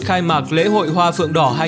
khai mạc lễ hội hoa phượng đỏ